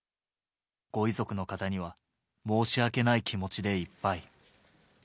ご遺族の方には、申し訳ない気持ちでいっぱい。